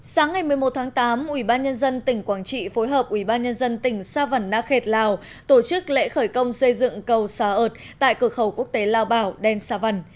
sáng ngày một mươi một tháng tám ubnd tỉnh quảng trị phối hợp ubnd tỉnh sa văn na khệt lào tổ chức lễ khởi công xây dựng cầu sa ợt tại cửa khẩu quốc tế lao bảo đen sa văn